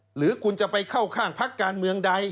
หรือคุณจะไปเข้าข้างพักการเมืองใด